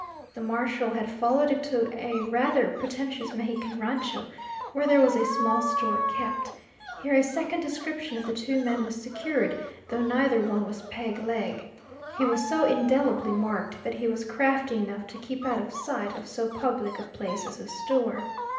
The marshal had followed it to a rather pretentious Mexican rancho, where there was a small store kept. Here a second description of the two men was secured, though neither one was Peg Leg. He was so indelibly marked that he was crafty enough to keep out of sight of so public a place as a store.